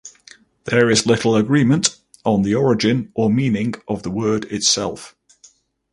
There is little agreement on the origin or meaning of the word itself.